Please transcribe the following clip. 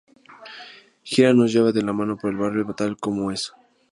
Giran nos lleva de la mano por el barrio tal como es hoy.